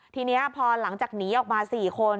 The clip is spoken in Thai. ทีนี้พอหลังจากหนีออกมา๔คน